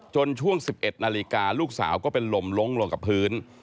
ช่วง๑๑นาฬิกาลูกสาวก็เป็นลมล้มลงกับพื้น